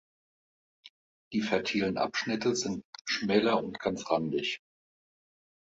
Die fertilen Abschnitte sind schmäler und ganzrandig.